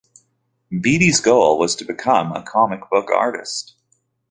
Beatty's goal was to become a comic book artist.